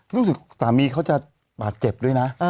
รู้สึกสามีเขาจะบาดเจ็บด้วยนะ